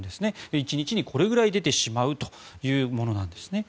１日にこれくらい出てしまうというものなんですね。